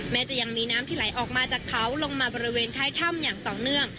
จะยังมีน้ำที่ไหลออกมาจากเขาลงมาบริเวณท้ายถ้ำอย่างต่อเนื่อง